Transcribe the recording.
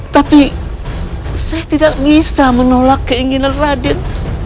tapi saya tidak bisa menolak keinginan raden